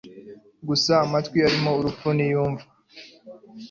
gusa amatwi arimo urupfu ntiyumva!